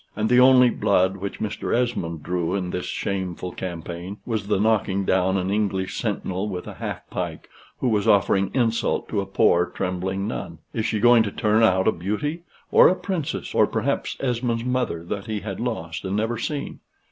And the only blood which Mr. Esmond drew in this shameful campaign, was the knocking down an English sentinel with a half pike, who was offering insult to a poor trembling nun. Is she going to turn out a beauty? or a princess? or perhaps Esmond's mother that he had lost and never seen?